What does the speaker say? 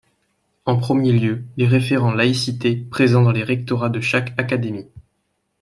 En premier lieu, les référents laïcité, présents dans les rectorats de chaque académie.